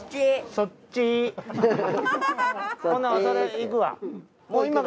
それ行くわ。